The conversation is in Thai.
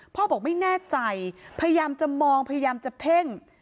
บอกไม่แน่ใจพยายามจะมองพยายามจะเพ่ง